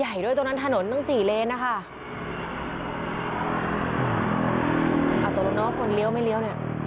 อ่ะตรงนรกภนศ์เลี้ยวมั้ยเลี้ยวเนี่ย